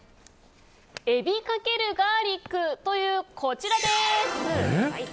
エビ×ガーリックというこちらです。